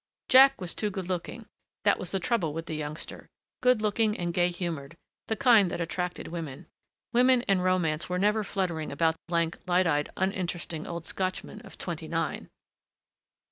Jack was too good looking, that was the trouble with the youngster. Good looking and gay humored. The kind that attracted women.... Women and romance were never fluttering about lank, light eyed, uninteresting old Scotchmen of twenty nine!